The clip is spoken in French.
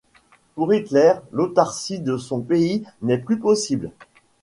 Pour Hitler, l'autarcie de son pays n'est plus possible.